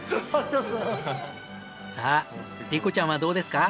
さあ莉子ちゃんはどうですか？